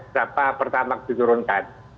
berapa pertamak diturunkan